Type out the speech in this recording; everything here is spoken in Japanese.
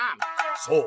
「そう。